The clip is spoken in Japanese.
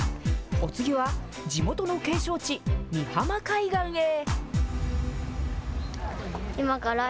お次は、地元の景勝地、御浜海岸へ。